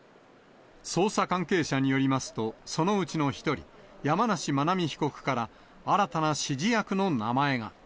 捜査関係者によりますと、そのうちの１人、山梨真奈美被告から、新たな指示役の名前が。